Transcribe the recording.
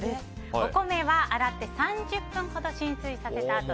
お米は洗って３０分ほど浸水させたあとに。